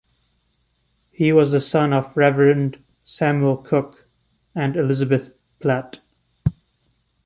He was the son of Reverend Samuel Cooke, and Elizabeth Platt.